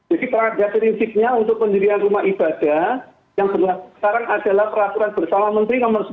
jadi perangkatnya terinsiknya untuk pendirian rumah ibadah